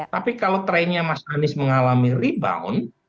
tapi kalau trennya mas anies mengalami rebound